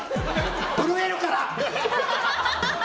震えるから！